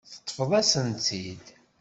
Teṭṭfeḍ-asent-tt-id.